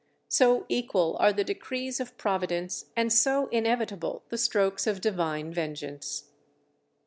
So equal are the decrees of providence, and so inevitable the strokes of Divine vengeance.